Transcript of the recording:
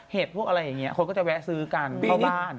พวกอะไรอย่างนี้คนก็จะแวะซื้อกันเข้าบ้าน